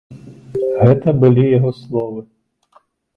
Гэта былі яго словы.